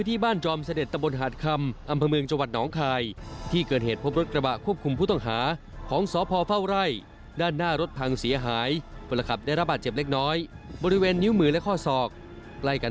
ติดตามพร้อมกับเหตุการณ์อื่นครับ